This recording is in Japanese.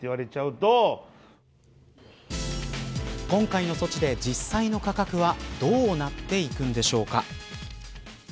今回の措置で実際の価格はどうなっていくんでしょうか。